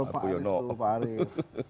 pak arief tuh pak arief